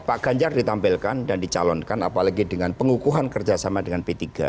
pak ganjar ditampilkan dan dicalonkan apalagi dengan pengukuhan kerjasama dengan p tiga